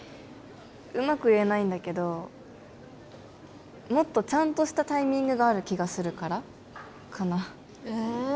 うまく言えないんだけどもっとちゃんとしたタイミングがある気がするからかなえ